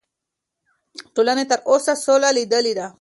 ټولنې تر اوسه سوله لیدلې ده.